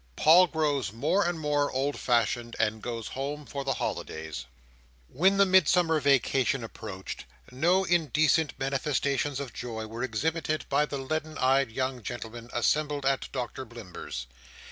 Paul grows more and more Old fashioned, and goes Home for the Holidays When the Midsummer vacation approached, no indecent manifestations of joy were exhibited by the leaden eyed young gentlemen assembled at Doctor Blimber's.